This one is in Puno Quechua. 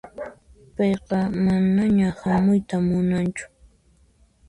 Payqa manaña hamuyta munanchu.